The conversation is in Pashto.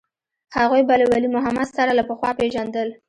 هغوى به له ولي محمد سره له پخوا پېژندل.